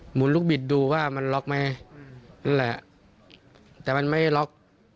หุนลูกบิดดูว่ามันล็อกไหมนั่นแหละแต่มันไม่ล็อก